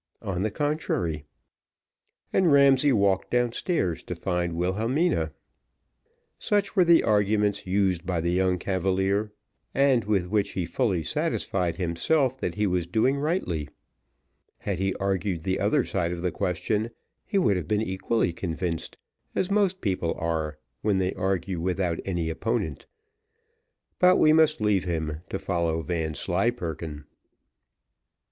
On the contrary." And Ramsay walked down stairs to find Wilhelmina. Such were the arguments used by the young cavalier, and with which he fully satisfied himself that he was doing rightly; had he argued the other side of the question, he would have been equally convinced, as most people are, when they argue without any opponent; but we must leave him to follow Vanslyperken.